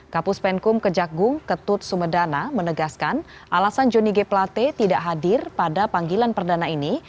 kapus penkum kejagung ketut sumedana menegaskan alasan joni g plate tidak hadir pada panggilan perdana ini